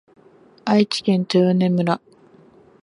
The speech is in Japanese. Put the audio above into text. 愛知県豊根村